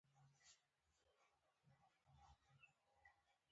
دښته له غرونو جلا خو له اسمانه نږدې ده.